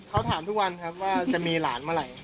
เขาถามทุกวันครับว่าจะมีหลานเมื่อไหร่